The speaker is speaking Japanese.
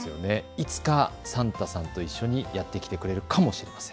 いつかサンタさんとやって来てくれるかもしれません。